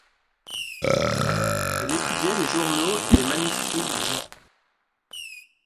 Elle étudiait les journaux et les manuscrits d'I.